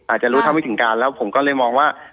อาจจะรู้เท่าไม่ถึงการแล้วผมก็เลยมองว่า